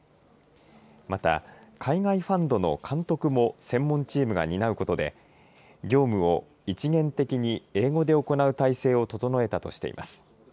また海外ファンドの監督も専門チームが担うことで業務を一元的に英語で行う態勢を整えたとしています。